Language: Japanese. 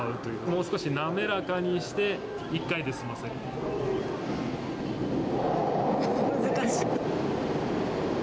もう少し滑らかにして、１回で済難しい。